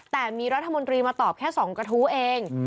แต่มีรัฐมนตรีมาตอบแค่๒กระทู้เอง